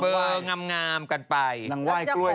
เปลืองามกันไปนางว่ายกล้วยอยู่